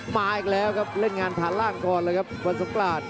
มาอีกแล้วครับเล่นงานฐานล่างก่อนเลยครับวันสงกราศ